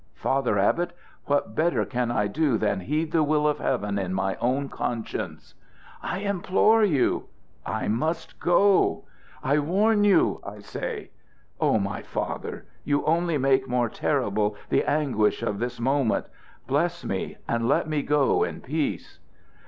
"Father Abbot, what better can I do than heed the will of Heaven in my own conscience?" "I implore you!" "I must go." "I warn you, I say." "Oh, my father! You only make more terrible the anguish of this moment. Bless me, and let me go in peace."